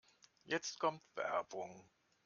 Jetzt kommt Werbung.